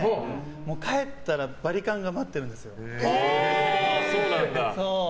帰ったらバリカンが待ってるんですよ。